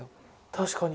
確かに。